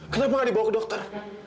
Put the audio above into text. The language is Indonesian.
kenapa gak dibawa ke dokter